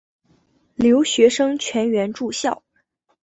留学生全员住校。